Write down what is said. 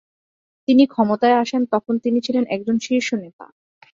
তিনি ক্ষমতায় আসেন তখন তিনি ছিলেন একজন শীর্ষ নেতা।